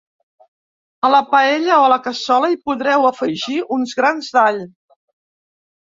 A la paella o a la cassola, hi podreu afegir uns grans d’all.